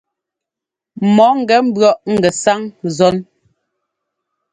Mɔ ńgɛ ḿbʉ̈ɔʼ ŋgɛsáŋ zɔn.